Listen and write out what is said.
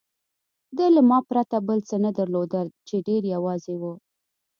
ده له ما پرته بل څه نه درلودل، چې ډېر یوازې و.